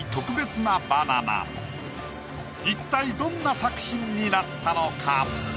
一体どんな作品になったのか？